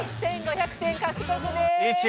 １５００点獲得です！